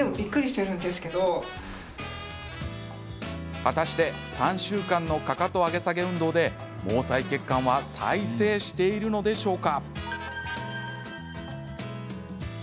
果たして３週間のかかと上げ下げ運動で毛細血管は再生しているのでしょうか？